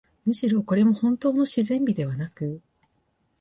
むしろ、これもほんとうの自然美ではなく、